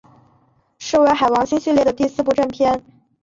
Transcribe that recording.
是为海王星系列的第四部正篇。